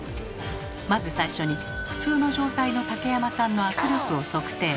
まず最初に普通の状態の竹山さんの握力を測定。